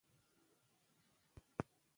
آب وهوا د افغانانو د ژوند طرز ډېر اغېزمنوي.